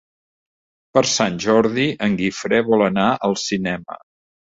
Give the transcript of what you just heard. Per Sant Jordi en Guifré vol anar al cinema.